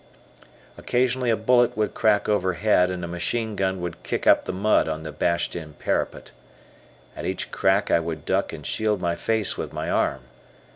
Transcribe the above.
Occasionally a bullet would crack overhead, and a machine gun would kick up the mud on the bashed in parapet. At each crack I would duck and shield my face with my arm.